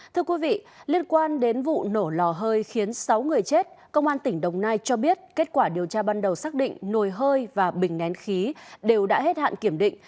thưa quý vị liên quan đến vụ nổ lò hơi khiến sáu người chết công an tỉnh đồng nai cho biết kết quả điều tra ban đầu xác định nồi hơi và bình nén khí đều đã hết hạn kiểm định